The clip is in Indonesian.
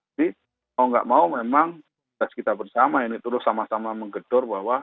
jadi kalau tidak mau memang kita bersama ini terus sama sama menggedur bahwa